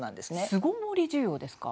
巣ごもり需要ですか？